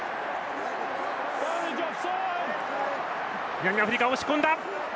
南アフリカ、押し込んだ！